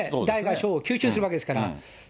大が小を吸収するわけですから。